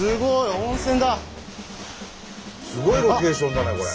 すごいロケーションだねこれ。